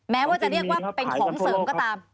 แม้ว่าจะเรียกว่าเป็นของเสริมก็ตาม